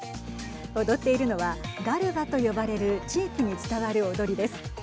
踊っているのはガルバと呼ばれる地域に伝わる踊りです。